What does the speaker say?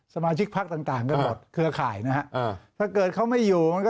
สมาชิกพักต่างต่างกันหมดเครือข่ายนะฮะถ้าเกิดเขาไม่อยู่มันก็